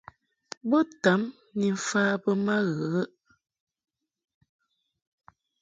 Bo tam ni mfa be ma ghəghəʼ.